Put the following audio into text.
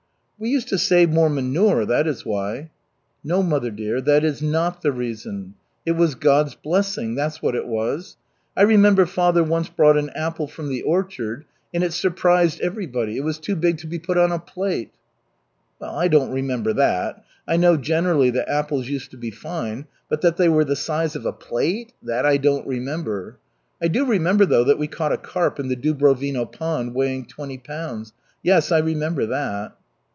"We used to save more manure, that is why." "No, mother dear, that is not the reason. It was God's blessing, that's what it was. I remember father once brought an apple from the orchard, and it surprised everybody, it was too big to be put on a plate." "Well, I don't remember that. I know generally that apples used to be fine, but that they were the size of a plate, that I don't remember. I do remember though, that we caught a carp in the Dubrovino pond weighing twenty pounds, yes, I remember that."